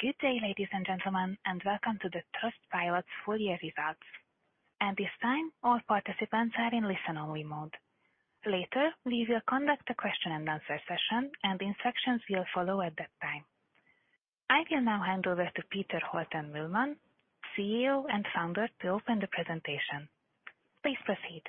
Good day, ladies and gentlemen, and welcome to the Trustpilot's full year results. At this time, all participants are in listen-only mode. Later, we will conduct a question and answer session and instructions will follow at that time. I will now hand over to Peter Holten Mühlmann, CEO and Founder, to open the presentation. Please proceed.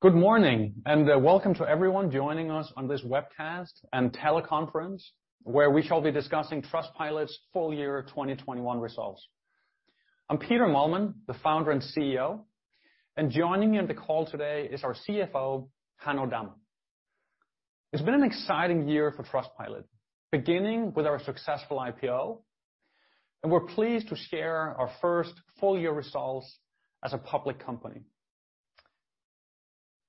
Good morning, and welcome to everyone joining us on this webcast and teleconference where we shall be discussing Trustpilot's full year 2021 results. I'm Peter Holten Mühlmann, the Founder and CEO, and joining me on the call today is our CFO, Hanno Damm. It's been an exciting year for Trustpilot, beginning with our successful IPO, and we're pleased to share our first full year results as a public company.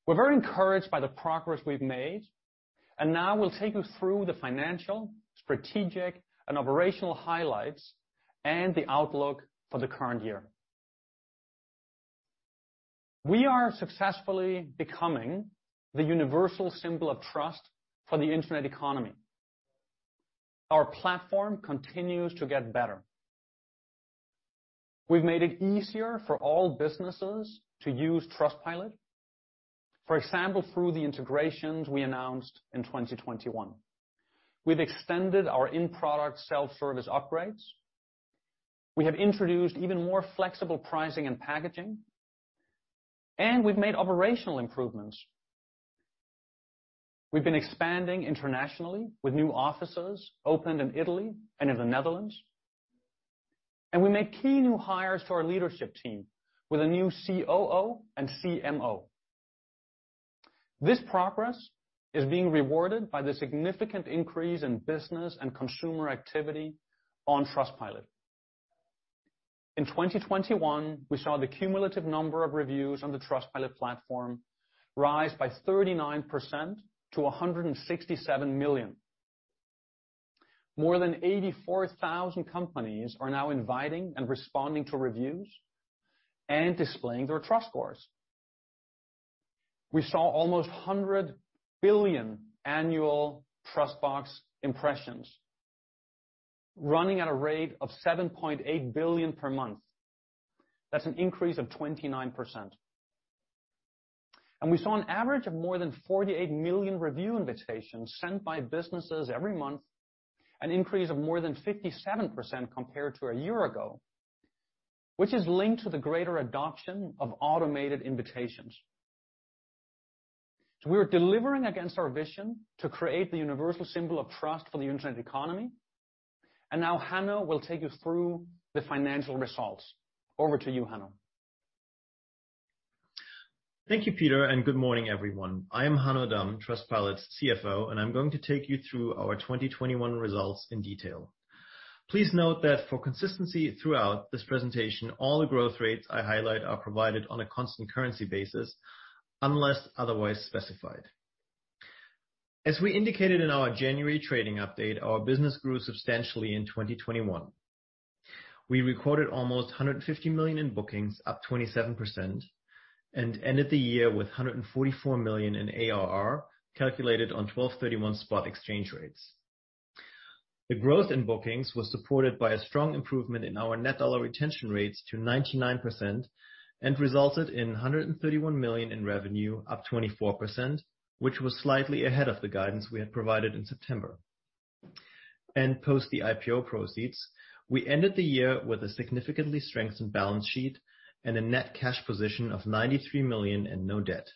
We're very encouraged by the progress we've made, and now we'll take you through the financial, strategic, and operational highlights and the outlook for the current year. We are successfully becoming the universal symbol of trust for the internet economy. Our platform continues to get better. We've made it easier for all businesses to use Trustpilot. For example, through the integrations we announced in 2021. We've extended our in-product self-service upgrades. We have introduced even more flexible pricing and packaging, and we've made operational improvements. We've been expanding internationally with new offices opened in Italy and in the Netherlands, and we made key new hires to our leadership team with a new COO and CMO. This progress is being rewarded by the significant increase in business and consumer activity on Trustpilot. In 2021, we saw the cumulative number of reviews on the Trustpilot platform rise by 39% to $167 million. More than 84,000 companies are now inviting and responding to reviews and displaying their TrustScores. We saw almost $100 billion annual TrustBox impressions running at a rate of $7.8 billion per month. That's an increase of 29%. We saw an average of more than 48 million review invitations sent by businesses every month, an increase of more than 57% compared to a year ago, which is linked to the greater adoption of automated invitations. We're delivering against our vision to create the universal symbol of trust for the internet economy. Now Hanno will take you through the financial results. Over to you, Hanno. Thank you, Peter, and good morning, everyone. I am Hanno Damm, Trustpilot's CFO, and I'm going to take you through our 2021 results in detail. Please note that for consistency throughout this presentation, all the growth rates I highlight are provided on a constant currency basis unless otherwise specified. As we indicated in our January trading update, our business grew substantially in 2021. We recorded almost $150 million in bookings, up 27%, and ended the year with $144 million in ARR, calculated on 12/31 spot exchange rates. The growth in bookings was supported by a strong improvement in our net dollar retention rates to 99% and resulted in $131 million in revenue, up 24%, which was slightly ahead of the guidance we had provided in September. Post the IPO proceeds, we ended the year with a significantly strengthened balance sheet and a net cash position of $93 million and no debt.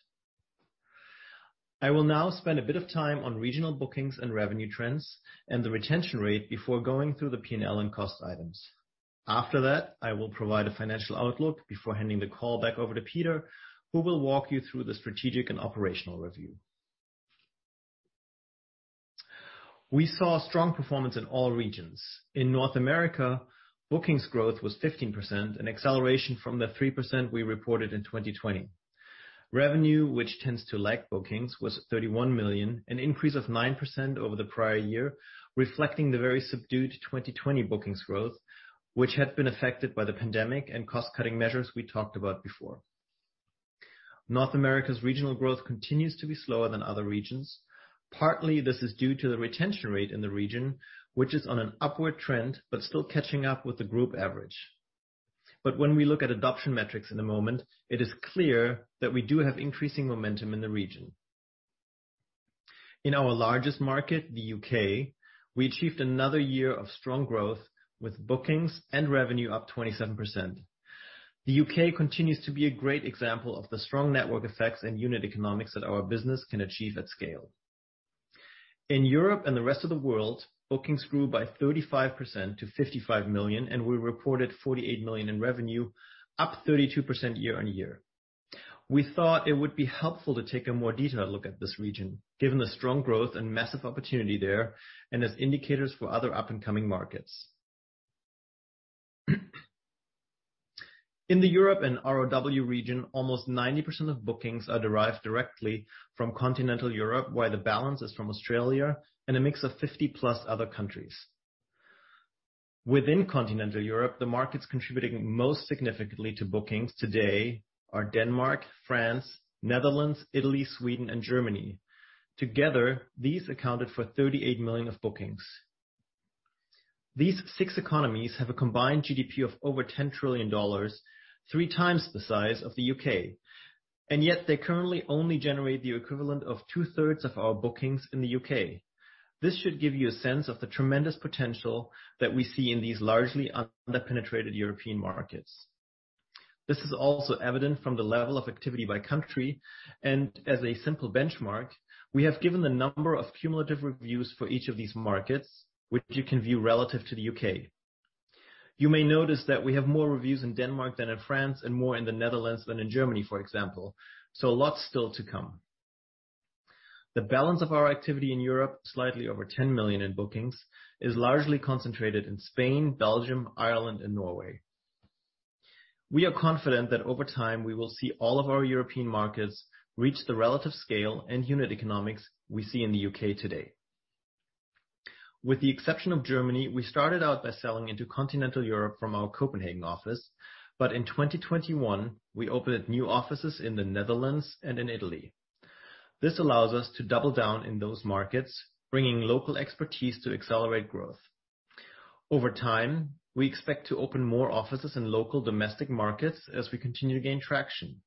I will now spend a bit of time on regional bookings and revenue trends and the retention rate before going through the P&L and cost items. After that, I will provide a financial outlook before handing the call back over to Peter, who will walk you through the strategic and operational review. We saw strong performance in all regions. In North America, bookings growth was 15%, an acceleration from the 3% we reported in 2020. Revenue, which tends to lag bookings, was $31 million, an increase of 9% over the prior year, reflecting the very subdued 2020 bookings growth, which had been affected by the pandemic and cost-cutting measures we talked about before. North America's regional growth continues to be slower than other regions. Partly, this is due to the retention rate in the region, which is on an upward trend but still catching up with the group average. When we look at adoption metrics in a moment, it is clear that we do have increasing momentum in the region. In our largest market, the U.K., we achieved another year of strong growth with bookings and revenue up 27%. The U.K. continues to be a great example of the strong network effects and unit economics that our business can achieve at scale. In Europe and the rest of the world, bookings grew by 35% to $55 million, and we reported $48 million in revenue, up 32% year-over-year. We thought it would be helpful to take a more detailed look at this region, given the strong growth and massive opportunity there and as indicators for other up-and-coming markets. In the Europe and ROW region, almost 90% of bookings are derived directly from continental Europe, while the balance is from Australia and a mix of 50+ other countries. Within continental Europe, the markets contributing most significantly to bookings today are Denmark, France, Netherlands, Italy, Sweden and Germany. Together, these accounted for $38 million of bookings. These six economies have a combined GDP of over $10 trillion, three times the size of the U.K., and yet they currently only generate the equivalent of two-thirds of our bookings in the U.K. This should give you a sense of the tremendous potential that we see in these largely under-penetrated European markets. This is also evident from the level of activity by country, and as a simple benchmark, we have given the number of cumulative reviews for each of these markets, which you can view relative to the U.K. You may notice that we have more reviews in Denmark than in France and more in the Netherlands than in Germany, for example. A lot still to come. The balance of our activity in Europe, slightly over 10 million in bookings, is largely concentrated in Spain, Belgium, Ireland and Norway. We are confident that over time, we will see all of our European markets reach the relative scale and unit economics we see in the U.K. today. With the exception of Germany, we started out by selling into continental Europe from our Copenhagen office, but in 2021, we opened new offices in the Netherlands and in Italy. This allows us to double down in those markets, bringing local expertise to accelerate growth. Over time, we expect to open more offices in local domestic markets as we continue to gain traction.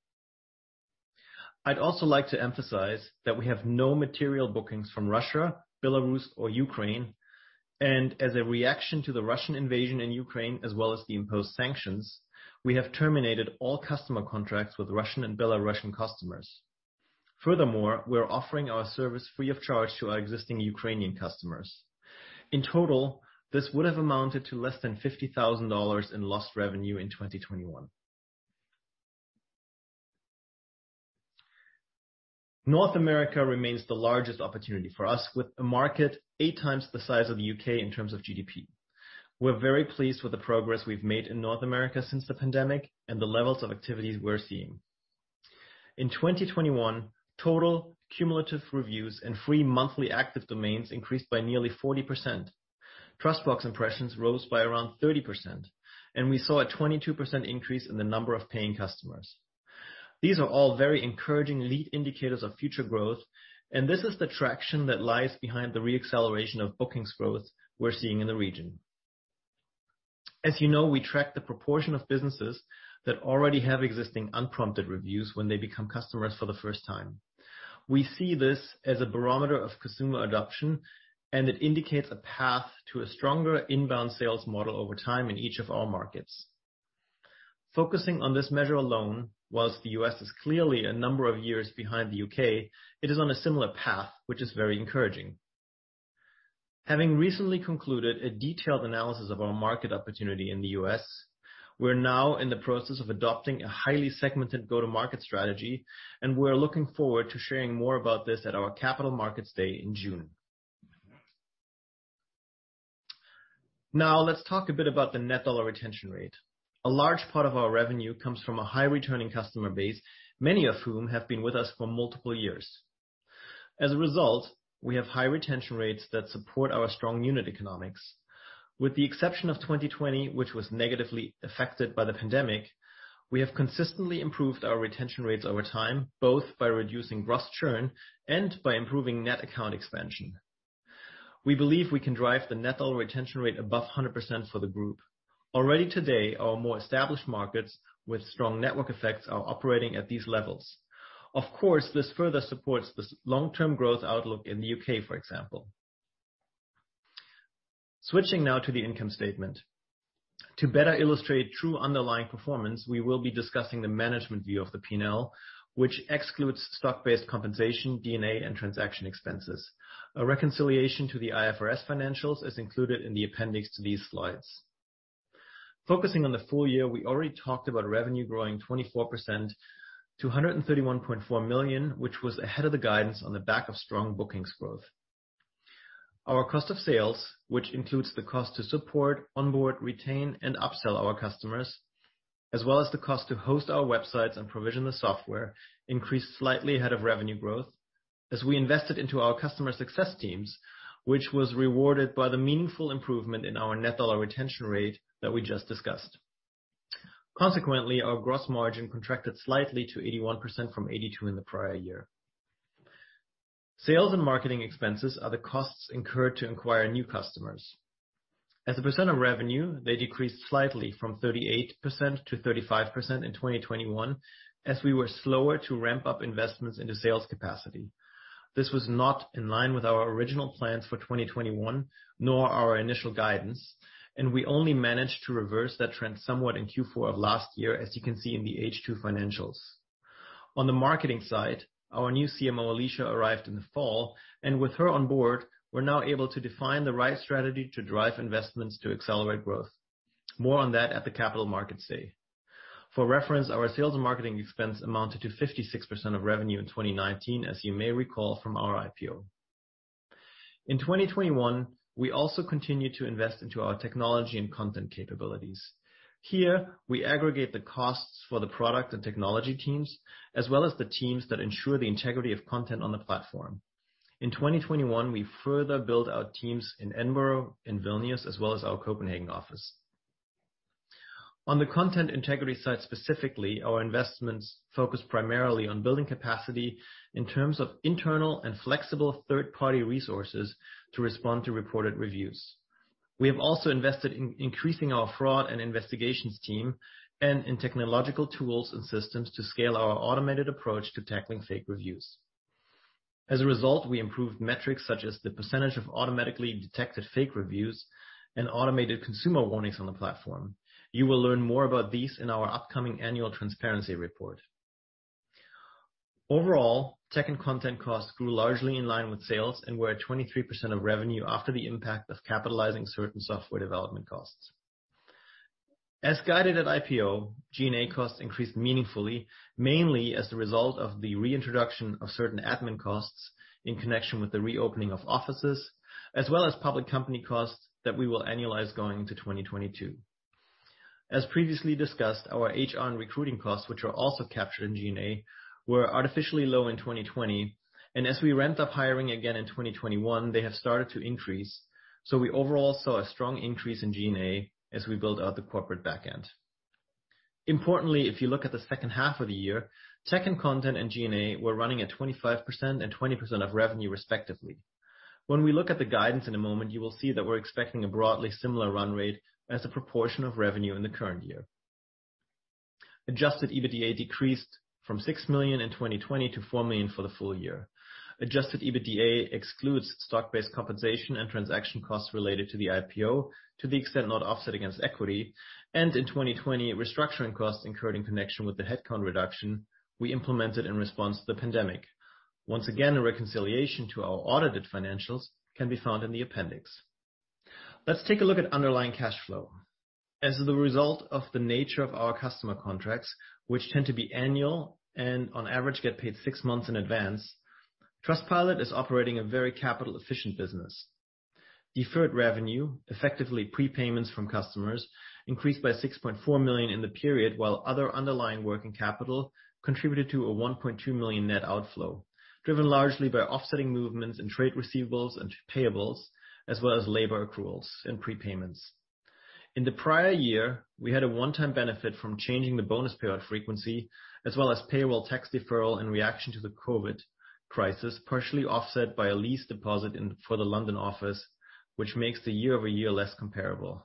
I'd also like to emphasize that we have no material bookings from Russia, Belarus or Ukraine, and as a reaction to the Russian invasion in Ukraine, as well as the imposed sanctions, we have terminated all customer contracts with Russian and Belarusian customers. Furthermore, we're offering our service free of charge to our existing Ukrainian customers. In total, this would have amounted to less than $50,000 in lost revenue in 2021. North America remains the largest opportunity for us, with a market eight times the size of the U.K. in terms of GDP. We're very pleased with the progress we've made in North America since the pandemic and the levels of activities we're seeing. In 2021, total cumulative reviews and free monthly active domains increased by nearly 40%. TrustBox impressions rose by around 30%, and we saw a 22% increase in the number of paying customers. These are all very encouraging lead indicators of future growth, and this is the traction that lies behind the re-acceleration of bookings growth we're seeing in the region. As you know, we track the proportion of businesses that already have existing unprompted reviews when they become customers for the first time. We see this as a barometer of consumer adoption, and it indicates a path to a stronger inbound sales model over time in each of our markets. Focusing on this measure alone, while the U.S. is clearly a number of years behind the U.K., it is on a similar path, which is very encouraging. Having recently concluded a detailed analysis of our market opportunity in the U.S., we're now in the process of adopting a highly segmented go-to-market strategy, and we're looking forward to sharing more about this at our Capital Markets Day in June. Now let's talk a bit about the net dollar retention rate. A large part of our revenue comes from a high returning customer base, many of whom have been with us for multiple years. As a result, we have high retention rates that support our strong unit economics. With the exception of 2020, which was negatively affected by the pandemic, we have consistently improved our retention rates over time, both by reducing gross churn and by improving net account expansion. We believe we can drive the net dollar retention rate above 100% for the group. Already today, our more established markets with strong network effects are operating at these levels. Of course, this further supports this long-term growth outlook in the U.K., for example. Switching now to the income statement. To better illustrate true underlying performance, we will be discussing the management view of the P&L, which excludes stock-based compensation, D&A, and transaction expenses. A reconciliation to the IFRS financials is included in the appendix to these slides. Focusing on the full year, we already talked about revenue growing 24% to 131.4 million, which was ahead of the guidance on the back of strong bookings growth. Our cost of sales, which includes the cost to support, onboard, retain, and upsell our customers, as well as the cost to host our websites and provision the software, increased slightly ahead of revenue growth as we invested into our customer success teams, which was rewarded by the meaningful improvement in our net dollar retention rate that we just discussed. Consequently, our gross margin contracted slightly to 81% from 82% in the prior year. Sales and marketing expenses are the costs incurred to acquire new customers. As a percent of revenue, they decreased slightly from 38% to 35% in 2021, as we were slower to ramp up investments into sales capacity. This was not in line with our original plans for 2021, nor our initial guidance, and we only managed to reverse that trend somewhat in Q4 of last year, as you can see in the H2 financials. On the marketing side, our new CMO, Alicia, arrived in the fall, and with her on board, we're now able to define the right strategy to drive investments to accelerate growth. More on that at the Capital Markets Day. For reference, our sales and marketing expense amounted to 56% of revenue in 2019, as you may recall from our IPO. In 2021, we also continued to invest into our technology and content capabilities. Here, we aggregate the costs for the product and technology teams, as well as the teams that ensure the integrity of content on the platform. In 2021, we further built our teams in Edinburgh, in Vilnius, as well as our Copenhagen office. On the content integrity side specifically, our investments focus primarily on building capacity in terms of internal and flexible third-party resources to respond to reported reviews. We have also invested in increasing our fraud and investigations team and in technological tools and systems to scale our automated approach to tackling fake reviews. As a result, we improved metrics such as the percentage of automatically detected fake reviews and automated consumer warnings on the platform. You will learn more about these in our upcoming annual transparency report. Overall, tech and content costs grew largely in line with sales and were at 23% of revenue after the impact of capitalizing certain software development costs. As guided at IPO, G&A costs increased meaningfully, mainly as the result of the reintroduction of certain admin costs in connection with the reopening of offices, as well as public company costs that we will annualize going into 2022. As previously discussed, our HR and recruiting costs, which are also captured in G&A, were artificially low in 2020, and as we ramp up hiring again in 2021, they have started to increase, so we overall saw a strong increase in G&A as we build out the corporate back end. Importantly, if you look at the second half of the year, tech and content and G&A were running at 25% and 20% of revenue respectively. When we look at the guidance in a moment, you will see that we're expecting a broadly similar run rate as a proportion of revenue in the current year. Adjusted EBITDA decreased from $6 million in 2020 to $4 million for the full year. Adjusted EBITDA excludes stock-based compensation and transaction costs related to the IPO to the extent not offset against equity, and in 2020, restructuring costs incurred in connection with the headcount reduction we implemented in response to the pandemic. Once again, a reconciliation to our audited financials can be found in the appendix. Let's take a look at underlying cash flow. As a result of the nature of our customer contracts, which tend to be annual and on average get paid six months in advance, Trustpilot is operating a very capital-efficient business. Deferred revenue, effectively prepayments from customers, increased by $6.4 million in the period, while other underlying working capital contributed to a $1.2 million net outflow, driven largely by offsetting movements in trade receivables and payables, as well as labor accruals and prepayments. In the prior year, we had a one-time benefit from changing the bonus payout frequency, as well as payroll tax deferral in reaction to the COVID crisis, partially offset by a lease deposit in, for the London office, which makes the year-over-year less comparable.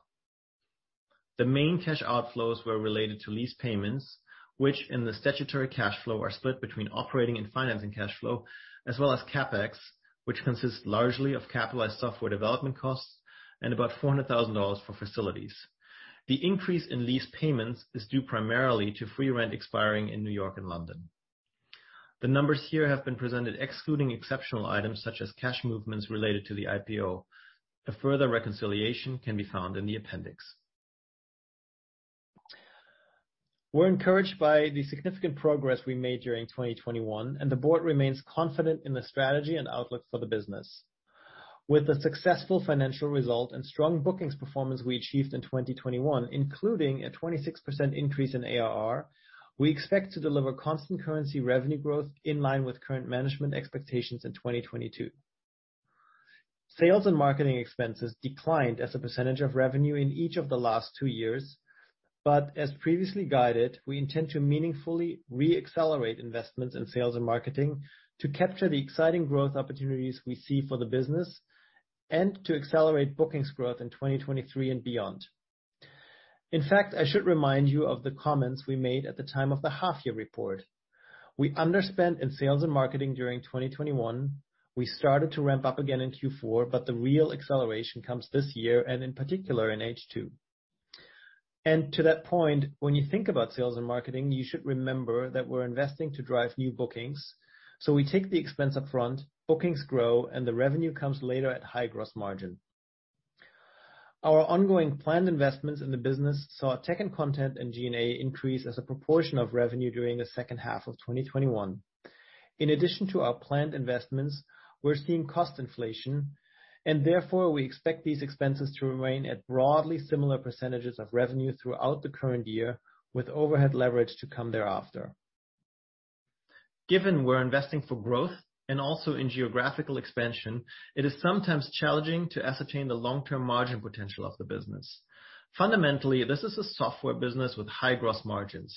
The main cash outflows were related to lease payments, which in the statutory cash flow are split between operating and financing cash flow, as well as CapEx, which consists largely of capitalized software development costs and about $400,000 for facilities. The increase in lease payments is due primarily to free rent expiring in New York and London. The numbers here have been presented excluding exceptional items such as cash movements related to the IPO. A further reconciliation can be found in the appendix. We're encouraged by the significant progress we made during 2021, and the board remains confident in the strategy and outlook for the business. With the successful financial result and strong bookings performance we achieved in 2021, including a 26% increase in ARR, we expect to deliver constant currency revenue growth in line with current management expectations in 2022. Sales and marketing expenses declined as a percentage of revenue in each of the last two years. As previously guided, we intend to meaningfully re-accelerate investments in sales and marketing to capture the exciting growth opportunities we see for the business and to accelerate bookings growth in 2023 and beyond. In fact, I should remind you of the comments we made at the time of the half-year report. We underspent in sales and marketing during 2021. We started to ramp up again in Q4, but the real acceleration comes this year and in particular in H2. To that point, when you think about sales and marketing, you should remember that we're investing to drive new bookings. We take the expense up front, bookings grow, and the revenue comes later at high gross margin. Our ongoing planned investments in the business saw tech and content and G&A increase as a proportion of revenue during the second half of 2021. In addition to our planned investments, we're seeing cost inflation, and therefore we expect these expenses to remain at broadly similar percentages of revenue throughout the current year, with overhead leverage to come thereafter. Given we're investing for growth and also in geographical expansion, it is sometimes challenging to ascertain the long-term margin potential of the business. Fundamentally, this is a software business with high gross margins.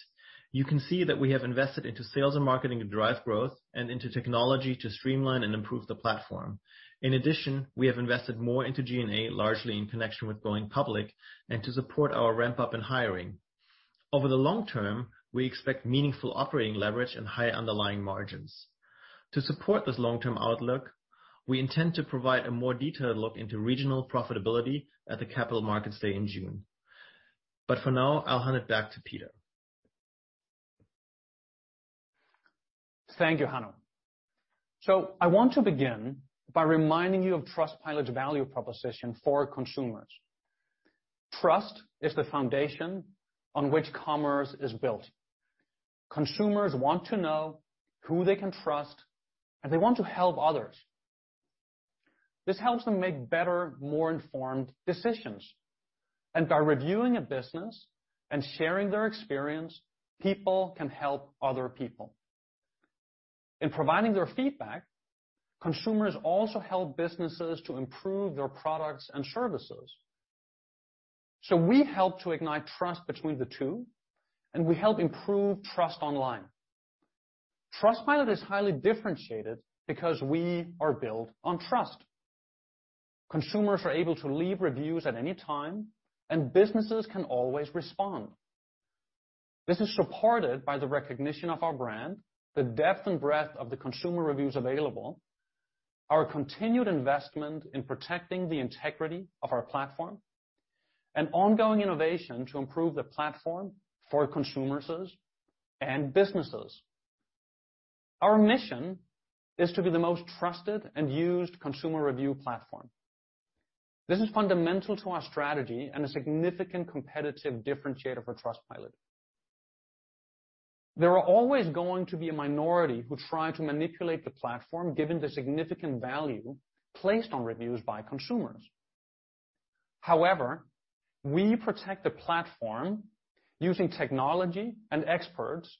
You can see that we have invested into sales and marketing to drive growth and into technology to streamline and improve the platform. In addition, we have invested more into G&A, largely in connection with going public and to support our ramp-up in hiring. Over the long term, we expect meaningful operating leverage and higher underlying margins. To support this long-term outlook, we intend to provide a more detailed look into regional profitability at the Capital Markets Day in June. For now, I'll hand it back to Peter. Thank you, Hanno. I want to begin by reminding you of Trustpilot's value proposition for consumers. Trust is the foundation on which commerce is built. Consumers want to know who they can trust, and they want to help others. This helps them make better, more informed decisions. By reviewing a business and sharing their experience, people can help other people. In providing their feedback, consumers also help businesses to improve their products and services. We help to ignite trust between the two, and we help improve trust online. Trustpilot is highly differentiated because we are built on trust. Consumers are able to leave reviews at any time, and businesses can always respond. This is supported by the recognition of our brand, the depth and breadth of the consumer reviews available, our continued investment in protecting the integrity of our platform, and ongoing innovation to improve the platform for consumers and businesses. Our mission is to be the most trusted and used consumer review platform. This is fundamental to our strategy and a significant competitive differentiator for Trustpilot. There are always going to be a minority who try to manipulate the platform, given the significant value placed on reviews by consumers. However, we protect the platform using technology and experts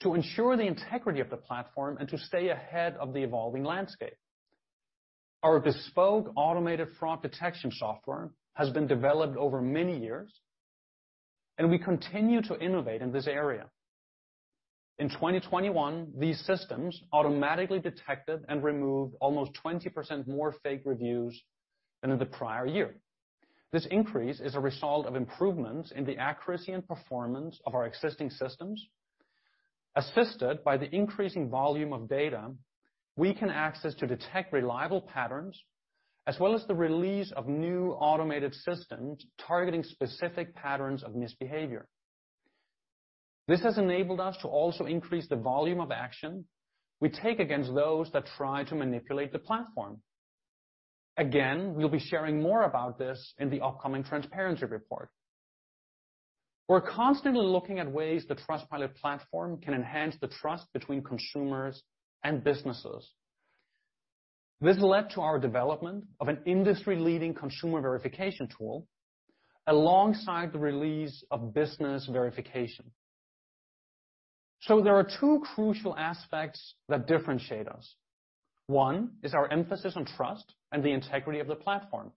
to ensure the integrity of the platform and to stay ahead of the evolving landscape. Our bespoke automated fraud detection software has been developed over many years, and we continue to innovate in this area. In 2021, these systems automatically detected and removed almost 20% more fake reviews than in the prior year. This increase is a result of improvements in the accuracy and performance of our existing systems, assisted by the increasing volume of data we can access to detect reliable patterns, as well as the release of new automated systems targeting specific patterns of misbehavior. This has enabled us to also increase the volume of action we take against those that try to manipulate the platform. Again, we'll be sharing more about this in the upcoming transparency report. We're constantly looking at ways the Trustpilot platform can enhance the trust between consumers and businesses. This led to our development of an industry-leading consumer verification tool alongside the release of business verification. There are two crucial aspects that differentiate us. One is our emphasis on trust and the integrity of the platform.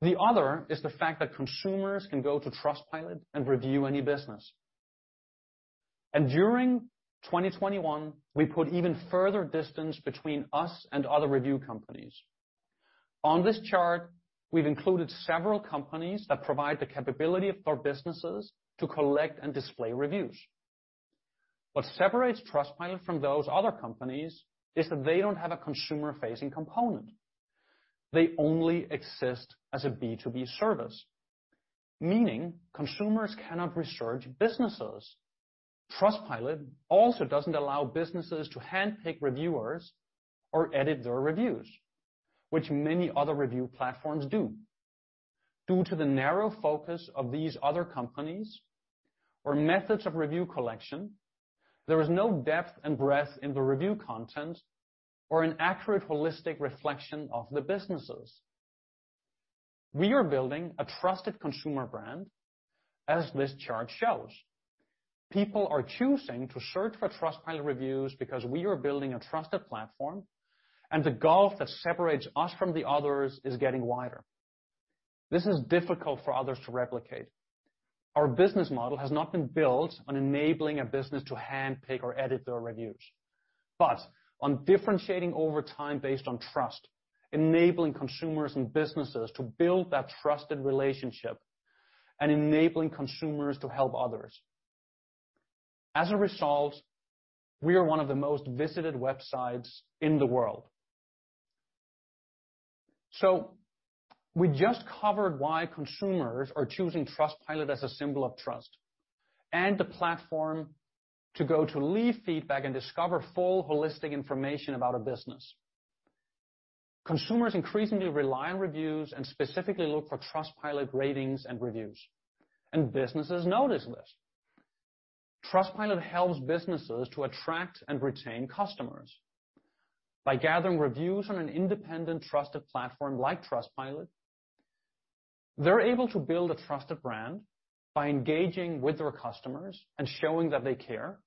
The other is the fact that consumers can go to Trustpilot and review any business. During 2021, we put even further distance between us and other review companies. On this chart, we've included several companies that provide the capability for businesses to collect and display reviews. What separates Trustpilot from those other companies is that they don't have a consumer-facing component. They only exist as a B2B service, meaning consumers cannot research businesses. Trustpilot also doesn't allow businesses to handpick reviewers or edit their reviews, which many other review platforms do. Due to the narrow focus of these other companies or methods of review collection, there is no depth and breadth in the review content or an accurate, holistic reflection of the businesses. We are building a trusted consumer brand, as this chart shows. People are choosing to search for Trustpilot reviews because we are building a trusted platform, and the gulf that separates us from the others is getting wider. This is difficult for others to replicate. Our business model has not been built on enabling a business to handpick or edit their reviews, but on differentiating over time based on trust, enabling consumers and businesses to build that trusted relationship and enabling consumers to help others. As a result, we are one of the most visited websites in the world. We just covered why consumers are choosing Trustpilot as a symbol of trust and the platform to go to leave feedback and discover full holistic information about a business. Consumers increasingly rely on reviews and specifically look for Trustpilot ratings and reviews, and businesses know this. Trustpilot helps businesses to attract and retain customers. By gathering reviews on an independent, trusted platform like Trustpilot, they're able to build a trusted brand by engaging with their customers and showing that they care.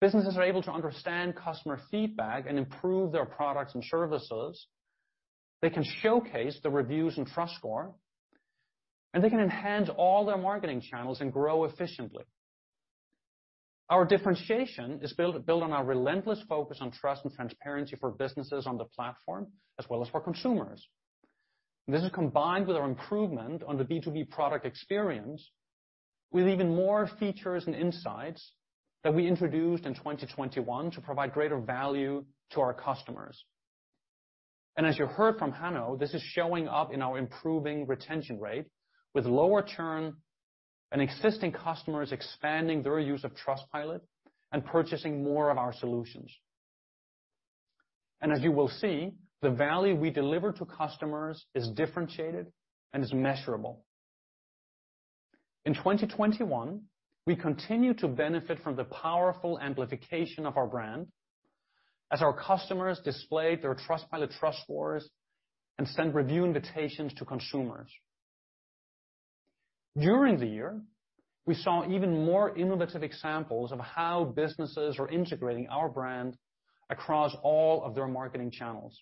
Businesses are able to understand customer feedback and improve their products and services. They can showcase the reviews and TrustScores, and they can enhance all their marketing channels and grow efficiently. Our differentiation is built on our relentless focus on trust and transparency for businesses on the platform, as well as for consumers. This is combined with our improvement on the B2B product experience with even more features and insights that we introduced in 2021 to provide greater value to our customers. As you heard from Hanno, this is showing up in our improving retention rate with lower churn and existing customers expanding their use of Trustpilot and purchasing more of our solutions. As you will see, the value we deliver to customers is differentiated and is measurable. In 2021, we continued to benefit from the powerful amplification of our brand as our customers displayed their Trustpilot TrustScores and sent review invitations to consumers. During the year, we saw even more innovative examples of how businesses are integrating our brand across all of their marketing channels.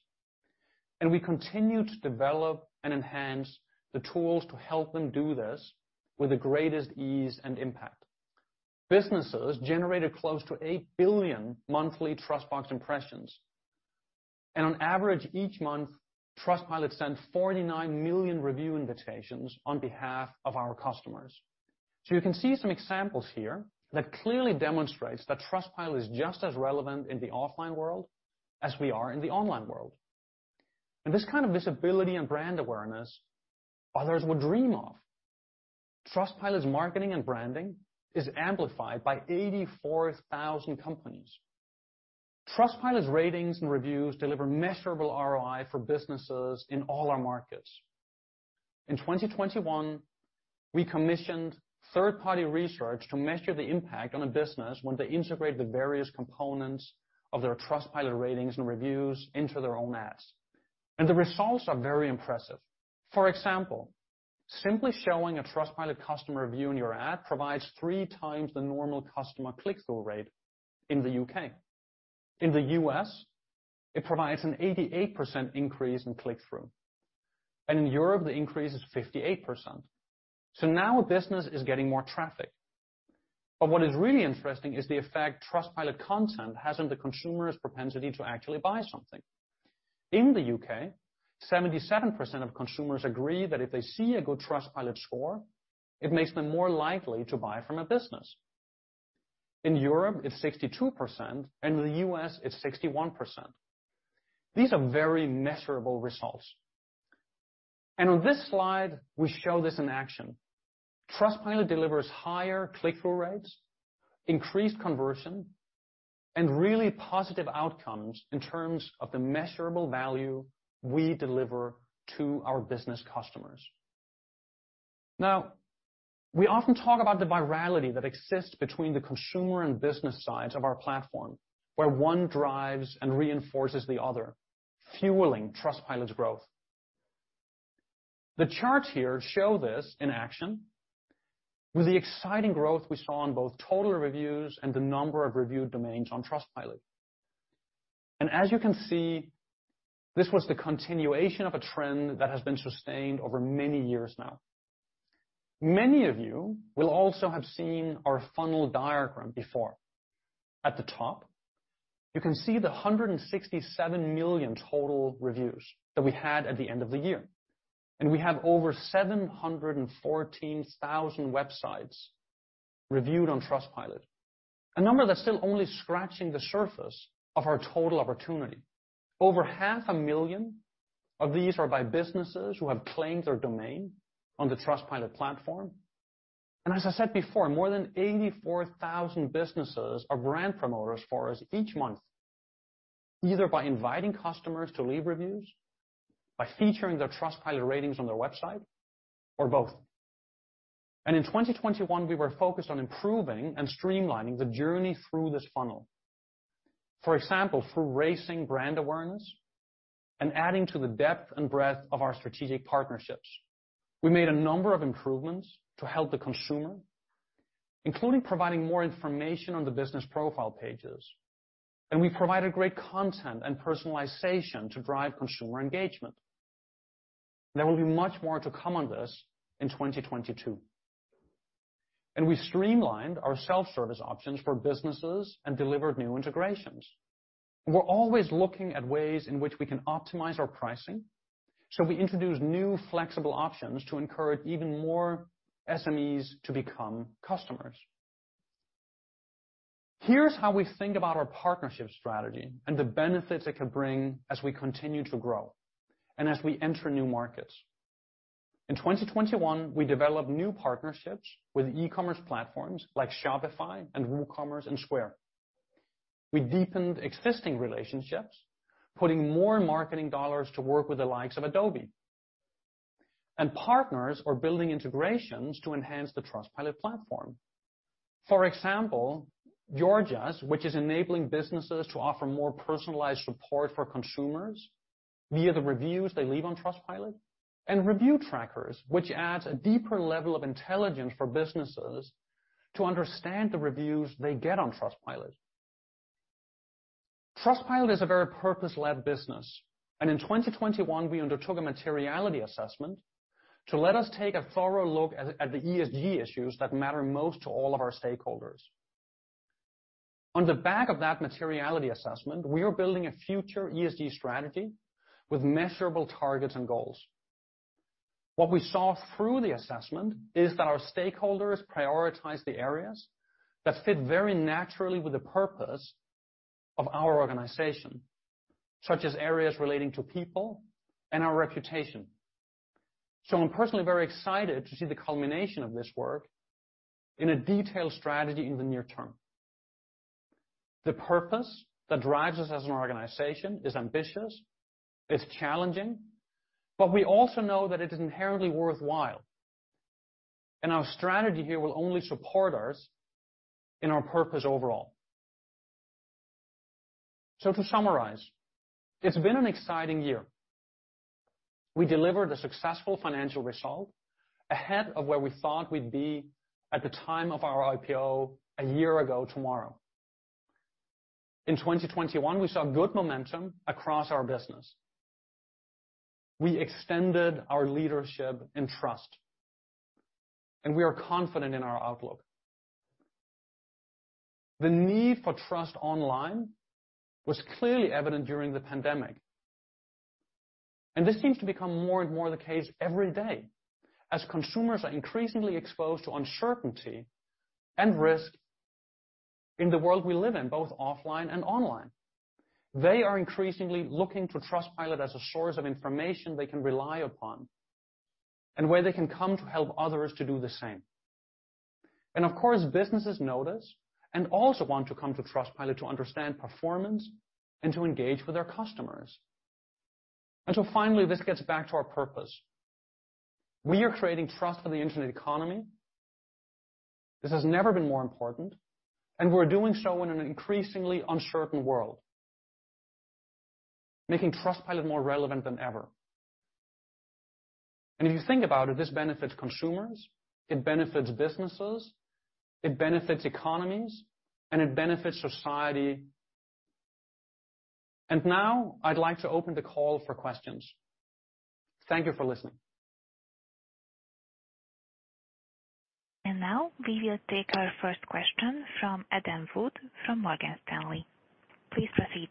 We continue to develop and enhance the tools to help them do this with the greatest ease and impact. Businesses generated close to 8 billion monthly TrustBox impressions. On average, each month, Trustpilot sent 49 million review invitations on behalf of our customers. You can see some examples here that clearly demonstrates that Trustpilot is just as relevant in the offline world as we are in the online world. This kind of visibility and brand awareness others would dream of. Trustpilot's marketing and branding is amplified by 84,000 companies. Trustpilot's ratings and reviews deliver measurable ROI for businesses in all our markets. In 2021, we commissioned third-party research to measure the impact on a business when they integrate the various components of their Trustpilot ratings and reviews into their own ads. The results are very impressive. For example, simply showing a Trustpilot customer review in your ad provides 3x the normal customer click-through rate in the U.K. In the U.S., it provides an 88% increase in click-through. In Europe, the increase is 58%. Now business is getting more traffic. What is really interesting is the effect Trustpilot content has on the consumer's propensity to actually buy something. In the U.K., 77% of consumers agree that if they see a good Trustpilot score, it makes them more likely to buy from a business. In Europe, it's 62%, and in the U.S., it's 61%. These are very measurable results. On this slide, we show this in action. Trustpilot delivers higher click-through rates, increased conversion, and really positive outcomes in terms of the measurable value we deliver to our business customers. Now, we often talk about the virality that exists between the consumer and business sides of our platform, where one drives and reinforces the other, fueling Trustpilot's growth. The charts here show this in action with the exciting growth we saw on both total reviews and the number of reviewed domains on Trustpilot. As you can see, this was the continuation of a trend that has been sustained over many years now. Many of you will also have seen our funnel diagram before. At the top, you can see the 167 million total reviews that we had at the end of the year. We have over 714,000 websites reviewed on Trustpilot, a number that's still only scratching the surface of our total opportunity. Over 500,000 of these are by businesses who have claimed their domain on the Trustpilot platform. As I said before, more than 84,000 businesses are brand promoters for us each month, either by inviting customers to leave reviews, by featuring their Trustpilot ratings on their website, or both. In 2021, we were focused on improving and streamlining the journey through this funnel. For example, through raising brand awareness and adding to the depth and breadth of our strategic partnerships. We made a number of improvements to help the consumer, including providing more information on the business profile pages, and we provided great content and personalization to drive consumer engagement. There will be much more to come on this in 2022. We streamlined our self-service options for businesses and delivered new integrations. We're always looking at ways in which we can optimize our pricing. We introduced new flexible options to encourage even more SMEs to become customers. Here's how we think about our partnership strategy and the benefits it can bring as we continue to grow and as we enter new markets. In 2021, we developed new partnerships with e-commerce platforms like Shopify and WooCommerce and Square. We deepened existing relationships, putting more marketing dollars to work with the likes of Adobe. Partners are building integrations to enhance the Trustpilot platform. For example, Gorgias, which is enabling businesses to offer more personalized support for consumers via the reviews they leave on Trustpilot, and ReviewTrackers, which adds a deeper level of intelligence for businesses to understand the reviews they get on Trustpilot. Trustpilot is a very purpose-led business, and in 2021, we undertook a materiality assessment to let us take a thorough look at the ESG issues that matter most to all of our stakeholders. On the back of that materiality assessment, we are building a future ESG strategy with measurable targets and goals. What we saw through the assessment is that our stakeholders prioritize the areas that fit very naturally with the purpose of our organization, such as areas relating to people and our reputation. I'm personally very excited to see the culmination of this work in a detailed strategy in the near term. The purpose that drives us as an organization is ambitious, it's challenging, but we also know that it is inherently worthwhile. Our strategy here will only support us in our purpose overall. To summarize, it's been an exciting year. We delivered a successful financial result ahead of where we thought we'd be at the time of our IPO a year ago tomorrow. In 2021, we saw good momentum across our business. We extended our leadership and trust, and we are confident in our outlook. The need for trust online was clearly evident during the pandemic, and this seems to become more and more the case every day as consumers are increasingly exposed to uncertainty and risk in the world we live in, both offline and online. They are increasingly looking to Trustpilot as a source of information they can rely upon and where they can come to help others to do the same. Of course, businesses know this and also want to come to Trustpilot to understand performance and to engage with their customers. Finally, this gets back to our purpose. We are creating trust for the internet economy. This has never been more important, and we're doing so in an increasingly uncertain world, making Trustpilot more relevant than ever. If you think about it, this benefits consumers, it benefits businesses, it benefits economies, and it benefits society. Now I'd like to open the call for questions. Thank you for listening. Now we will take our first question from Adam Wood from Morgan Stanley. Please proceed.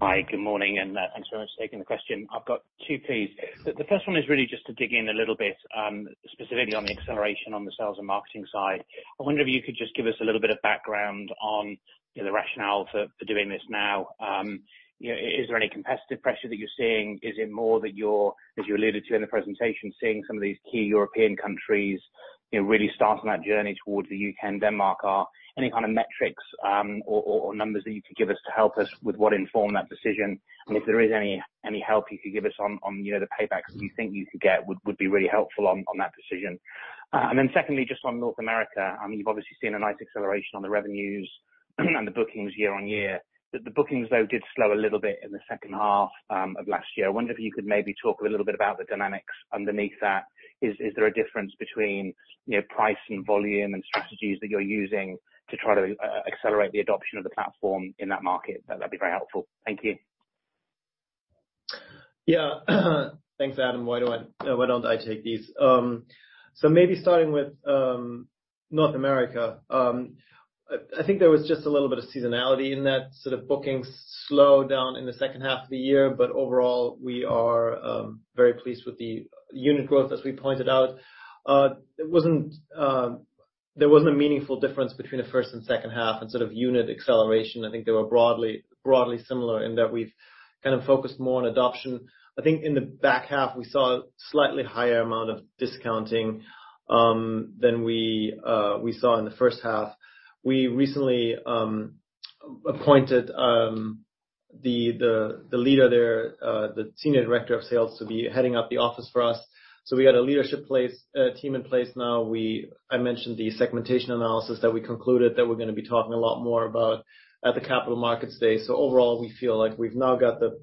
Hi. Good morning, and thanks very much for taking the question. I've got two, please. The first one is really just to dig in a little bit, specifically on the acceleration on the sales and marketing side. I wonder if you could just give us a little bit of background on, you know, the rationale for doing this now. You know, is there any competitive pressure that you're seeing? Is it more that you're, as you alluded to in the presentation, seeing some of these key European countries, you know, really starting that journey towards the U.K. and Denmark? Are there any kind of metrics or numbers that you could give us to help us with what informed that decision? If there is any help you could give us on, you know, the paybacks that you think you could get, would be really helpful on that decision. Secondly, just on North America, I mean, you've obviously seen a nice acceleration on the revenues and the bookings year on year. The bookings, though, did slow a little bit in the second half of last year. I wonder if you could maybe talk a little bit about the dynamics underneath that. Is there a difference between, you know, price and volume and strategies that you're using to try to accelerate the adoption of the platform in that market? That'd be very helpful. Thank you. Thanks, Adam. Why don't I take these? Maybe starting with North America. I think there was just a little bit of seasonality in that sort of bookings slowdown in the second half of the year. Overall, we are very pleased with the unit growth, as we pointed out. There wasn't a meaningful difference between the first and second half in sort of unit acceleration. I think they were broadly similar in that we've kind of focused more on adoption. I think in the back half we saw a slightly higher amount of discounting than we saw in the first half. We recently appointed the leader there, the senior director of sales to be heading up the office for us. We got a leadership team in place now. I mentioned the segmentation analysis that we concluded that we're gonna be talking a lot more about at the Capital Markets Day. Overall, we feel like we've now got the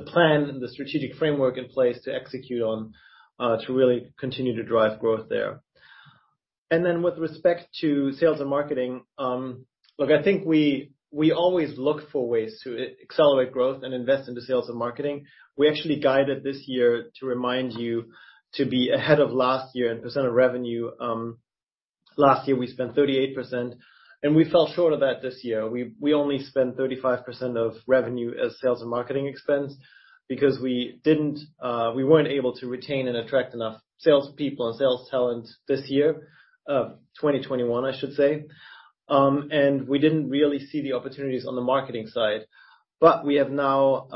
plan and the strategic framework in place to execute on to really continue to drive growth there. With respect to sales and marketing, look, I think we always look for ways to accelerate growth and invest into sales and marketing. We actually guided this year to be ahead of last year in percentage of revenue. Last year we spent 38%, and we fell short of that this year. We only spent 35% of revenue as sales and marketing expense because we weren't able to retain and attract enough salespeople and sales talent this year, 2021, I should say. We didn't really see the opportunities on the marketing side, but we have now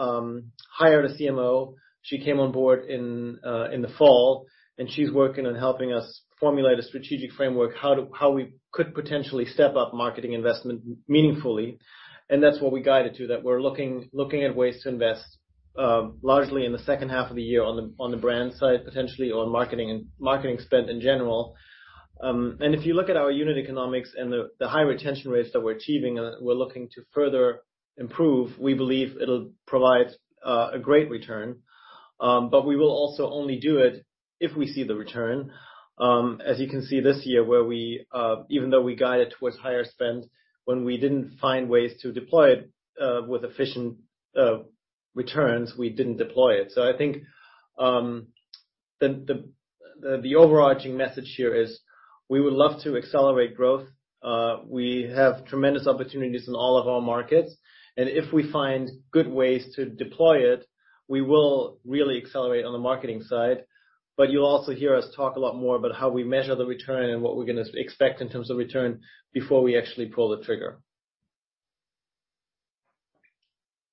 hired a CMO. She came on board in the fall, and she's working on helping us formulate a strategic framework, how we could potentially step up marketing investment meaningfully. That's what we guided to, that we're looking at ways to invest largely in the second half of the year on the brand side, potentially on marketing and marketing spend in general. If you look at our unit economics and the high retention rates that we're achieving and we're looking to further improve, we believe it'll provide a great return. We will also only do it if we see the return. As you can see this year, where we even though we guided towards higher spend, when we didn't find ways to deploy it with efficient returns, we didn't deploy it. I think the overarching message here is we would love to accelerate growth. We have tremendous opportunities in all of our markets, and if we find good ways to deploy it, we will really accelerate on the marketing side. You'll also hear us talk a lot more about how we measure the return and what we're gonna expect in terms of return before we actually pull the trigger.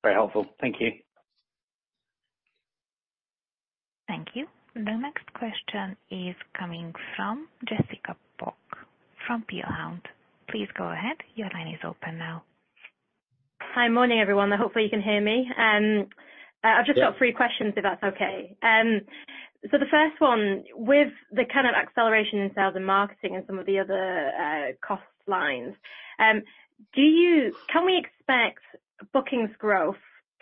Very helpful. Thank you. Thank you. The next question is coming from Jessica Pok from Peel Hunt. Please go ahead. Your line is open now. Hi. Morning, everyone, hopefully you can hear me. I've just got three questions if that's okay. So the first one, with the kind of acceleration in sales and marketing and some of the other cost lines, can we expect bookings growth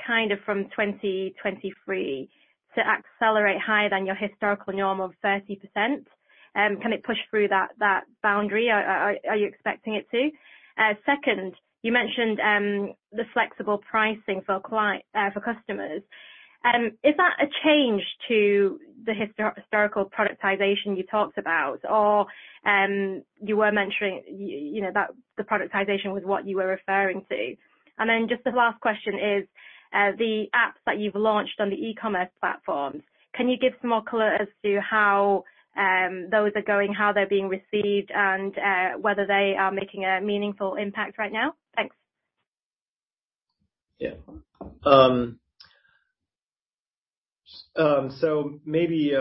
kind of from 2023 to accelerate higher than your historical norm of 30%? Can it push through that boundary? Are you expecting it to? Second, you mentioned the flexible pricing for customers. Is that a change to the historical productization you talked about, or you were mentioning, you know, that the productization was what you were referring to? Just the last question is, the apps that you've launched on the e-commerce platforms, can you give some more color as to how, those are going, how they're being received and, whether they are making a meaningful impact right now? Thanks. Maybe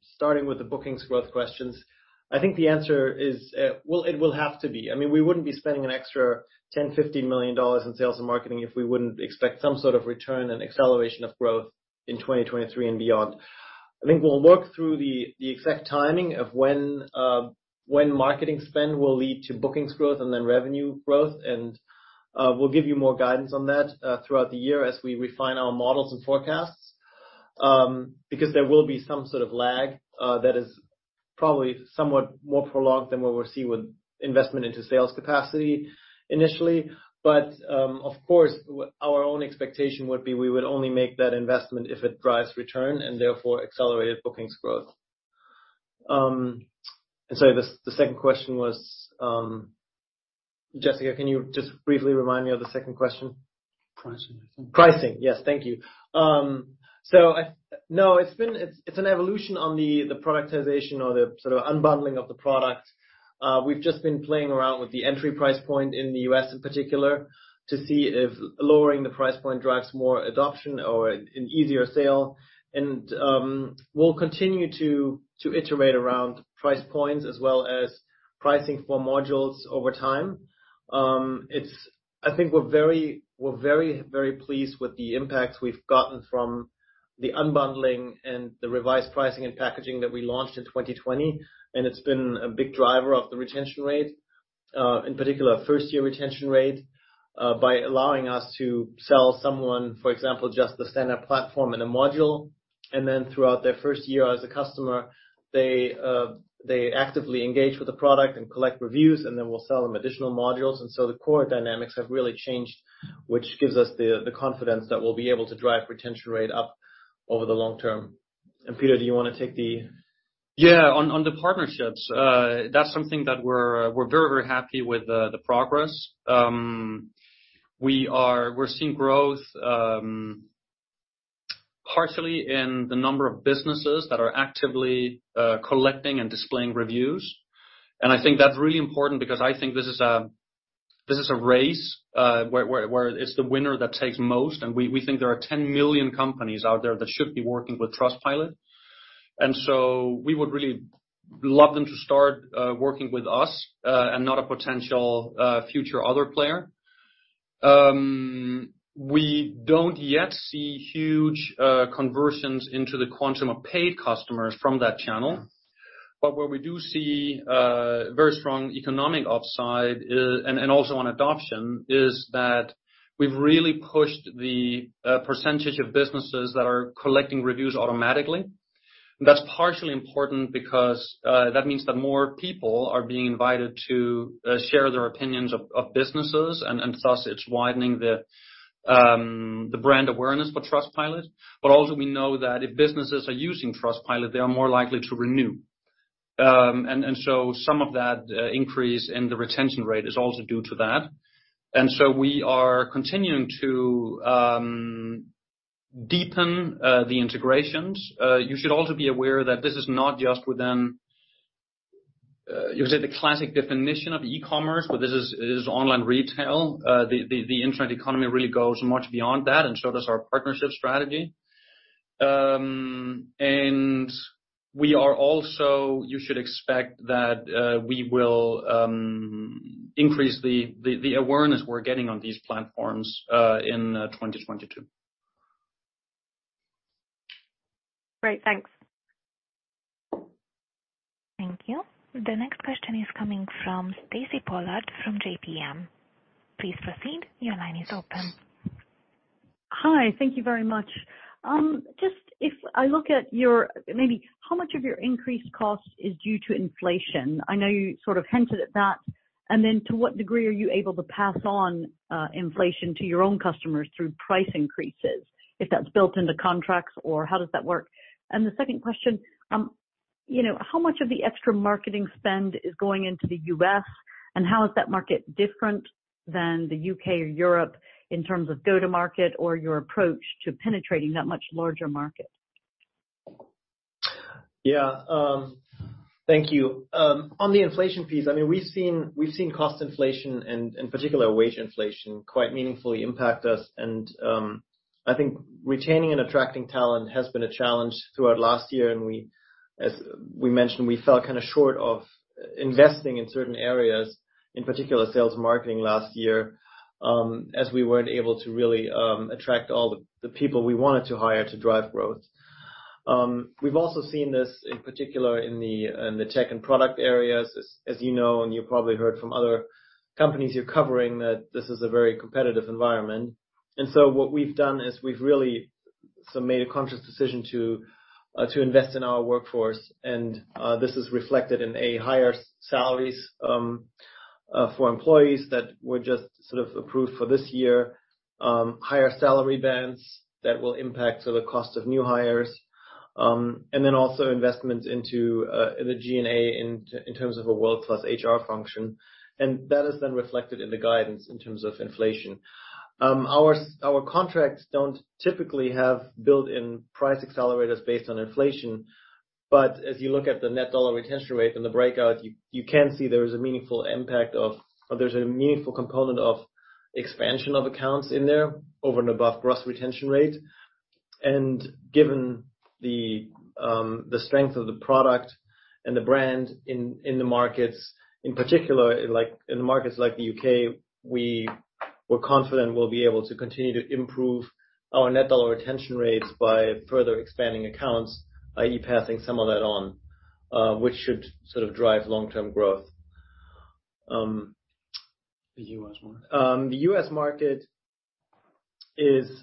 starting with the bookings growth questions, I think the answer is it will have to be. I mean, we wouldn't be spending an extra $10 million-$50 million in sales and marketing if we wouldn't expect some sort of return and acceleration of growth in 2023 and beyond. I think we'll work through the exact timing of when marketing spend will lead to bookings growth and then revenue growth, and we'll give you more guidance on that throughout the year as we refine our models and forecasts because there will be some sort of lag that is probably somewhat more prolonged than what we'll see with investment into sales capacity initially. Of course, our own expectation would be we would only make that investment if it drives return and therefore accelerated bookings growth. Sorry, the second question was, Jessica, can you just briefly remind me of the second question? Pricing, I think. Pricing, yes. Thank you. No, it's been an evolution on the productization or the sort of unbundling of the product. We've just been playing around with the entry price point in the U.S. in particular to see if lowering the price point drives more adoption or an easier sale. We'll continue to iterate around price points as well as pricing for modules over time. I think we're very pleased with the impact we've gotten from the unbundling and the revised pricing and packaging that we launched in 2020, and it's been a big driver of the retention rate, in particular first year retention rate, by allowing us to sell someone, for example, just the standard platform and a module, and then throughout their first year as a customer, they actively engage with the product and collect reviews, and then we'll sell them additional modules. The core dynamics have really changed, which gives us the confidence that we'll be able to drive retention rate up over the long term. Peter, do you wanna take the- Yeah. On the partnerships, that's something that we're very happy with the progress. We're seeing growth, partially in the number of businesses that are actively collecting and displaying reviews. I think that's really important because I think this is a race where it's the winner that takes most. We think there are 10 million companies out there that should be working with Trustpilot. We would really love them to start working with us and not a potential future other player. We don't yet see huge conversions into the quantum of paid customers from that channel. Where we do see very strong economic upside is and also on adoption is that we've really pushed the percentage of businesses that are collecting reviews automatically. That's partially important because that means that more people are being invited to share their opinions of businesses and thus it's widening the brand awareness for Trustpilot. Also we know that if businesses are using Trustpilot, they are more likely to renew. Some of that increase in the retention rate is also due to that. We are continuing to deepen the integrations. You should also be aware that this is not just within you would say the classic definition of e-commerce, but this is online retail. The internet economy really goes much beyond that and so does our partnership strategy. You should expect that we will increase the awareness we're getting on these platforms in 2022. Great. Thanks. Thank you. The next question is coming from Stacy Pollard from JPMorgan. Please proceed. Your line is open. Hi. Thank you very much. Just if I look at your, maybe how much of your increased cost is due to inflation? I know you sort of hinted at that. Then to what degree are you able to pass on, inflation to your own customers through price increases, if that's built into contracts or how does that work? The second question, you know, how much of the extra marketing spend is going into the U.S., and how is that market different than the U.K. or Europe in terms of go-to-market or your approach to penetrating that much larger market? Yeah. Thank you. On the inflation piece, I mean, we've seen cost inflation and particular wage inflation quite meaningfully impact us. I think retaining and attracting talent has been a challenge throughout last year, and as we mentioned, we fell kind of short of investing in certain areas, in particular sales and marketing last year, as we weren't able to really attract all the people we wanted to hire to drive growth. We've also seen this in particular in the tech and product areas. As you know, and you probably heard from other companies you're covering, that this is a very competitive environment. What we've done is we've really made a conscious decision to invest in our workforce. This is reflected in higher salaries for employees that were just sort of approved for this year. Higher salary bands that will impact so the cost of new hires. Investments into the G&A in terms of a world-class HR function. That is then reflected in the guidance in terms of inflation. Our contracts don't typically have built-in price accelerators based on inflation. As you look at the net dollar retention rate and the breakout, you can see there is a meaningful impact. There's a meaningful component of expansion of accounts in there over and above gross retention rate. Given the strength of the product and the brand in the markets, in particular in markets like the U.K., we're confident we'll be able to continue to improve our net dollar retention rates by further expanding accounts, i.e. passing some of that on, which should sort of drive long-term growth. The U.S. market. The U.S. market is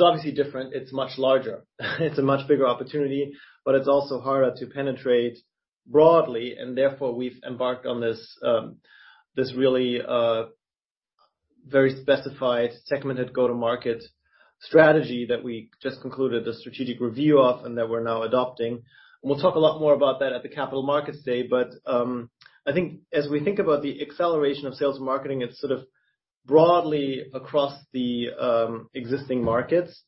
obviously different. It's much larger. It's a much bigger opportunity, but it's also harder to penetrate broadly, and therefore, we've embarked on this really very specified, segmented go-to-market strategy that we just concluded a strategic review of and that we're now adopting. We'll talk a lot more about that at the Capital Markets Day. I think as we think about the acceleration of sales and marketing, it's sort of broadly across the existing markets.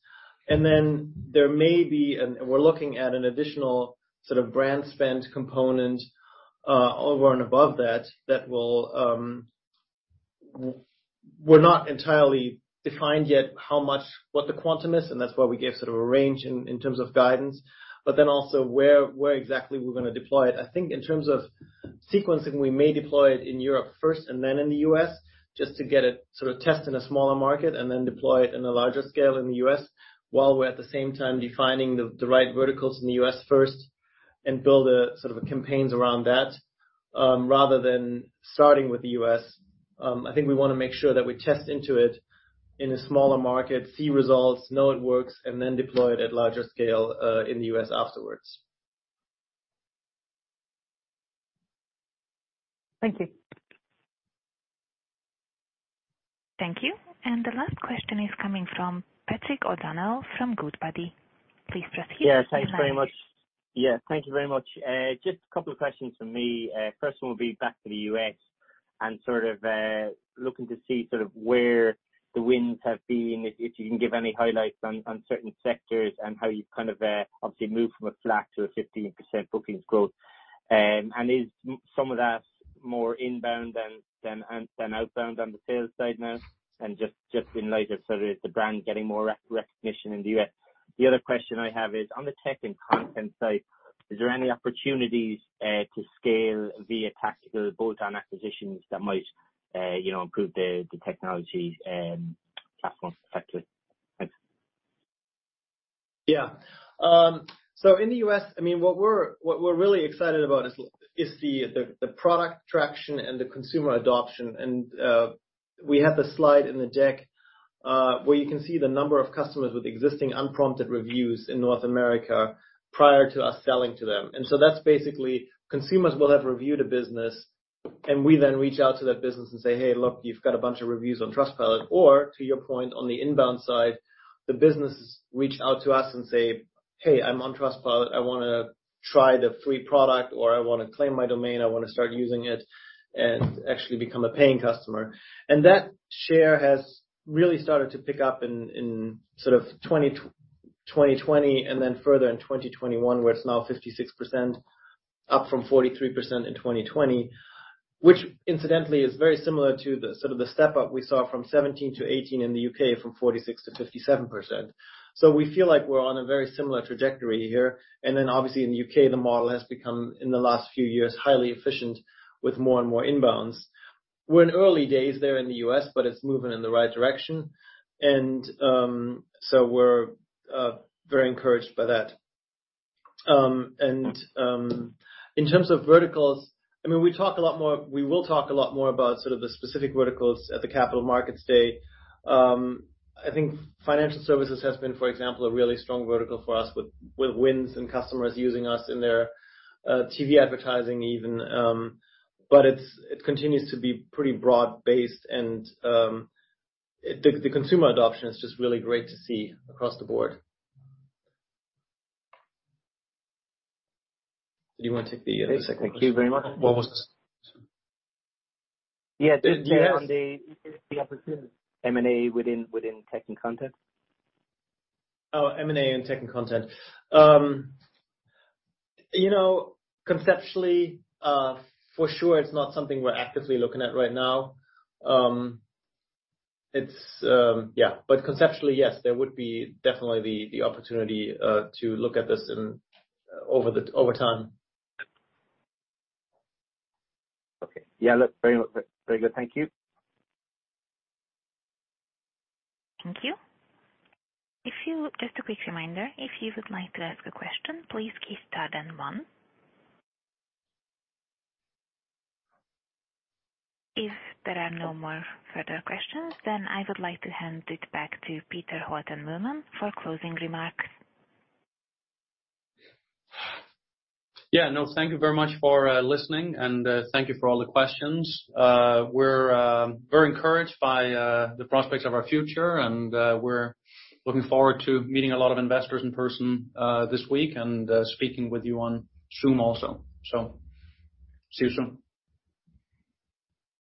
Then we're looking at an additional sort of brand spend component over and above that that will. We're not entirely defined yet how much, what the quantum is, and that's why we gave sort of a range in terms of guidance. Then also where exactly we're gonna deploy it. I think in terms of sequencing, we may deploy it in Europe first and then in the U.S. just to get it sort of tested in a smaller market and then deploy it on a larger scale in the U.S. while we're at the same time defining the right verticals in the U.S. first and build a sort of campaigns around that, rather than starting with the U.S. I think we wanna make sure that we test it out in a smaller market, see results, know it works, and then deploy it on a larger scale in the U.S. afterwards. Thank you. Thank you. The last question is coming from Patrick O'Donnell from Goodbody. Please press star to- Thanks very much. Thank you very much. Just a couple of questions from me. First one will be back to the U.S. and sort of looking to see sort of where the wins have been. If you can give any highlights on certain sectors and how you've kind of obviously moved from a flat to a 15% bookings growth. Is some of that more inbound than outbound on the sales side now? Just in light of, sort of, is the brand getting more recognition in the U.S.? The other question I have is on the tech and content side, is there any opportunities to scale via tactical bolt-on acquisitions that might you know improve the technology platform effectively? Thanks. Yeah. I mean, what we're really excited about is the product traction and the consumer adoption. We have the slide in the deck where you can see the number of customers with existing unprompted reviews in North America prior to us selling to them. That's basically consumers will have reviewed a business, and we then reach out to that business and say, "Hey, look, you've got a bunch of reviews on Trustpilot." Or to your point, on the inbound side, the businesses reach out to us and say, "Hey, I'm on Trustpilot. I wanna try the free product," or, "I wanna claim my domain. I wanna start using it and actually become a paying customer." That share has really started to pick up in sort of 2020 and then further in 2021, where it's now 56%, up from 43% in 2020. Which incidentally is very similar to the sort of step up we saw from 2017 to 2018 in the U.K. from 46% to 57%. We feel like we're on a very similar trajectory here. Then obviously in the U.K., the model has become, in the last few years, highly efficient with more and more inbounds. We're in early days there in the U.S., but it's moving in the right direction. We're very encouraged by that. In terms of verticals, I mean, we will talk a lot more about sort of the specific verticals at the Capital Markets Day. I think financial services has been, for example, a really strong vertical for us with wins and customers using us in their TV advertising even. But it continues to be pretty broad-based and the consumer adoption is just really great to see across the board. Did you wanna take the, Yes, thank you very much. What was the second question? Yeah. Yes. Just on the opportunity M&A within tech and content. Oh, M&A and tech and content. You know, conceptually, for sure it's not something we're actively looking at right now. It's yeah. Conceptually, yes, there would be definitely the opportunity to look at this over time. Okay. Yeah. Look, very, very good. Thank you. Thank you. Just a quick reminder, if you would like to ask a question, please key star then one. If there are no more further questions, then I would like to hand it back to Peter Holten Mühlmann for closing remarks. Yeah. No, thank you very much for listening and thank you for all the questions. We're very encouraged by the prospects of our future, and we're looking forward to meeting a lot of investors in person this week and speaking with you on Zoom also. See you soon.